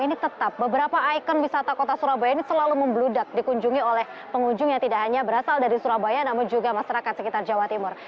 ini tetap beberapa ikon wisata kota surabaya ini selalu membludak dikunjungi oleh pengunjung yang tidak hanya berasal dari surabaya namun juga masyarakat sekitar jawa timur